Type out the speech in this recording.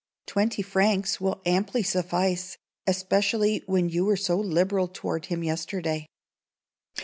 Twenty francs will amply suffice, especially when you were so liberal toward him yesterday."